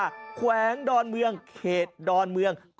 แขวงดอนเมืองเขตดอนเมือง